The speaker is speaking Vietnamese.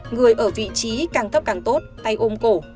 người ở vị trí càng thấp càng tốt tay ôm cổ